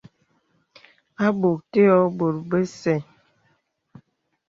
À bòk tè ɔ̄ɔ̄ bòt bèsɛ̂.